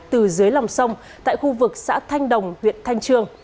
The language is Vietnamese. từ dưới lòng sông tại khu vực xã thanh đồng huyện thanh trương